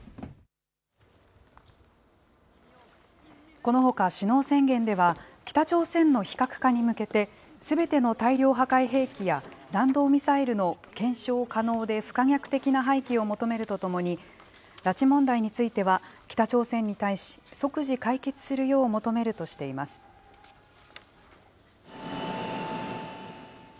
このほか首脳宣言では、北朝鮮の非核化に向けて、すべての大量破壊兵器や弾道ミサイルの、検証可能で不可逆的な廃棄を求めるとともに、拉致問題については、北朝鮮に対し、即時解決するよう求めるとしています。